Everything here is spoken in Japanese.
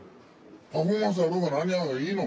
パフォーマンスだろうがなんだろうが、いいの。